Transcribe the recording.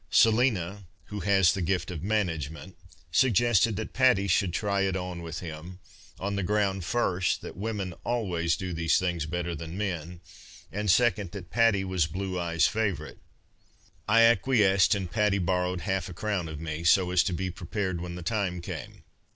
Selina, who has the gift of management, suggested that Patty should try it on with him, on the ground, first, that women always do these things better than men, and, second, that Patty was blue eyes' favourite. I acquiesced, and Patty borrowed half a crown of me, so as to be prepared when the time came.